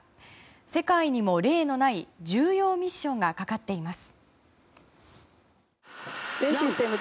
世界にも例のない重要ミッションがかかっています。